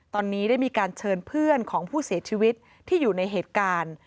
ตอนนี้ได้มีการเชิญเพื่อนของผู้เสียชีวิตที่อยู่ในเหตุการณ์